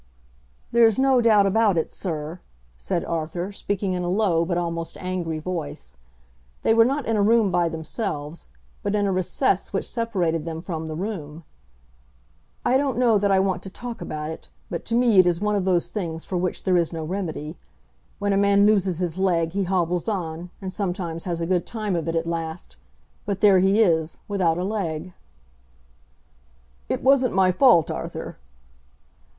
"There's no doubt about it, sir," said Arthur, speaking in a low but almost angry voice. They were not in a room by themselves, but in a recess which separated them from the room. "I don't know that I want to talk about it, but to me it is one of those things for which there is no remedy. When a man loses his leg, he hobbles on, and sometimes has a good time of it at last; but there he is, without a leg." "It wasn't my fault, Arthur."